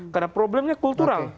karena problemnya kultural